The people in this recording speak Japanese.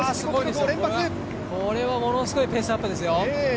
これはものすごいペースアップですよ。